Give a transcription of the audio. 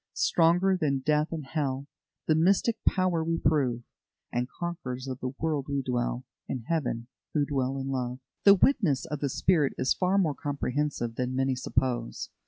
"Stronger than death and hell The mystic power we prove; And conquerors of the world, we dwell In Heaven, who dwell in love." The witness of the Spirit is far more comprehensive than many suppose.